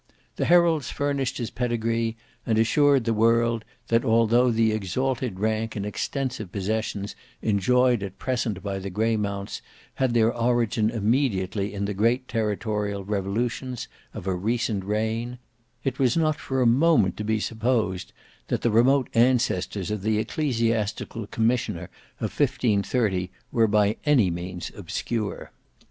The heralds furnished his pedigree, and assured the world that although the exalted rank and extensive possessions enjoyed at present by the Greymounts, had their origin immediately in great territorial revolutions of a recent reign, it was not for a moment to be supposed, that the remote ancestors of the Ecclesiastical Commissioner of 1530 were by any means obscure.